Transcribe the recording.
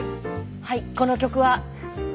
はいこの曲は。